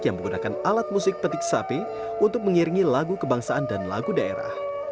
yang menggunakan alat musik petik sapi untuk mengiringi lagu kebangsaan dan lagu daerah